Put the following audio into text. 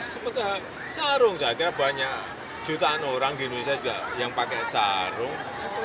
seperti sarung saya kira banyak jutaan orang di indonesia juga yang pakai sarung